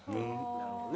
なるほどね。